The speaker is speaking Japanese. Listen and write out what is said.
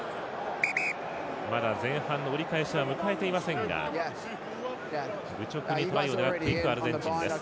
まだ前半の折り返しは迎えていませんが愚直にトライを狙いにいくアルゼンチンです。